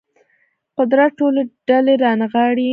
قدرت ټولې ډلې رانغاړي